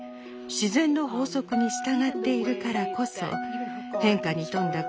自然の法則に従っているからこそ変化に富んだ